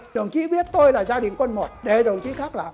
đồng chí biết tôi là gia đình con một để đồng chí khác làm